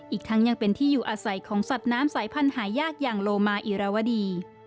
อีกทั้งยังเป็นที่อยู่อาศัยของสัตว์น้ำสายพันธุ์หายากอย่างโลมาอิราวดี